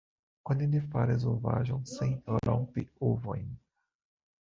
Oni ne faras ovaĵon sen rompi ovojn!